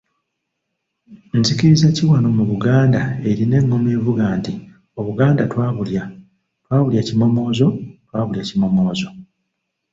"Nzikiriza ki wano mu Buganda erina engoma evuga nti “Obuganda twabulya, twabulya kimomozo, twabulya kimomozo”?"